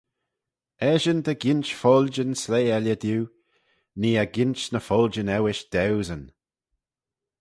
Eshyn ta ginsh foilljyn sleih elley diu, nee eh ginsh ny foilljyn euish dauesyn.